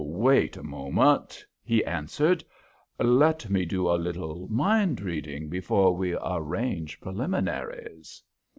"Wait a moment," he answered. "Let me do a little mind reading before we arrange preliminaries."